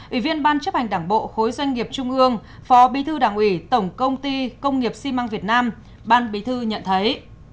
ủy viên ban chấp hành đảng bộ khối doanh nghiệp trung ương phó bí thư đảng ủy tổng công ty công nghiệp xi măng việt nam ban bí thư nhận thấy